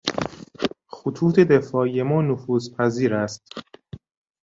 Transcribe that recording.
خطوط دفاعی ما نفوذپذیر است.